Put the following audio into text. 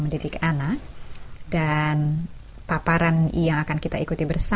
pelindung yang maha kuasa